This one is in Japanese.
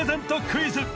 クイズ